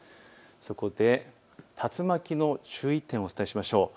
そこで竜巻の注意点をお伝えしましょう。